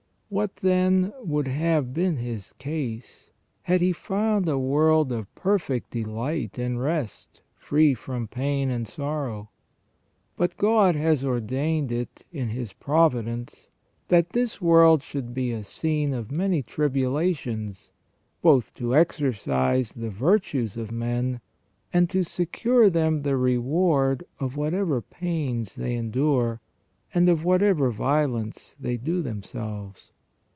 What, then, would have been his case, had he found a world of perfect delight and rest, free from pain and sorrow ? But God has ordained it in His providence, that this world should be a scene of many tribula tions, both to exercise the virtues of men, and to secure them the reward of whatever pains they endure, and of whatever violence they do themselves.